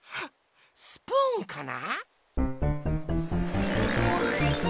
スプーンかな？